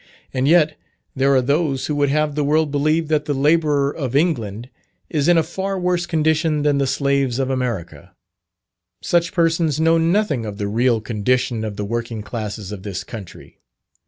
And yet there are those who would have the world believe that the labourer of England is in a far worse condition than the slaves of America. Such persons know nothing of the real condition of the working classes of this country.